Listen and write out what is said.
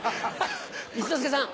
一之輔さん。